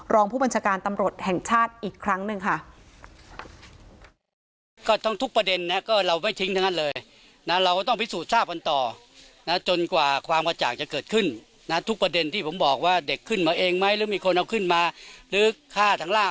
รองผู้บัญชาการตำรวจแห่งชาติอีกครั้งหนึ่งค่ะ